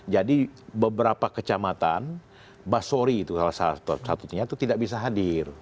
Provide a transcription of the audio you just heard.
jadi beberapa kecamatan basori itu salah satunya itu tidak bisa hadir